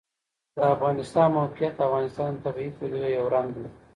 د افغانستان د موقعیت د افغانستان د طبیعي پدیدو یو رنګ دی.